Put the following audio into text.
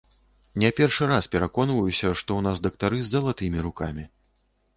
Не першы раз пераконваюся, што ў нас дактары з залатымі рукамі.